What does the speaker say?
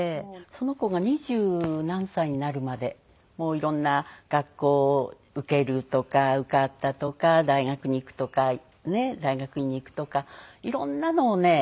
その子が二十何歳になるまで色んな学校を受けるとか受かったとか大学に行くとかねえ大学院に行くとか色んなのをね